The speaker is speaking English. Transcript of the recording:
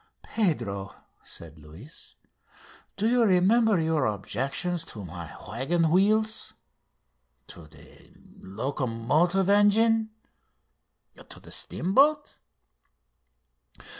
"Pedro," said Luis, "do you remember your objections to my waggon wheels?" .... "To the locomotive engine?" .... "To the steamboat?"